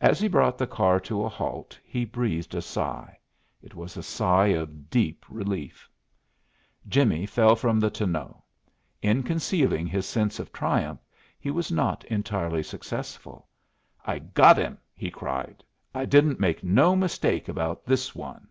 As he brought the car to a halt, he breathed a sigh. It was a sigh of deep relief. Jimmie fell from the tonneau. In concealing his sense of triumph, he was not entirely successful. "I got him!" he cried. "I didn't make no mistake about this one!"